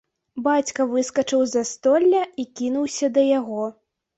Бацька выскачыў з застолля і кінуўся да яго.